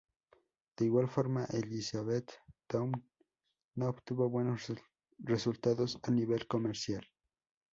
De igual forma, "Elizabethtown" no obtuvo buenos resultados a nivel comercial.